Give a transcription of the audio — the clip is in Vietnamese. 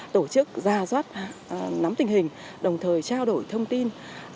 tổ chức ra doát nắm tình hình đồng thời trao đổi thông tin